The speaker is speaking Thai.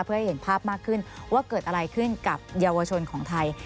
เพื่อให้เห็นภาพมากขึ้นว่าเกิดอะไรขึ้นกับเยาวชนของไทย